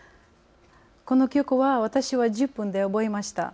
この曲は私は、自分で覚えました。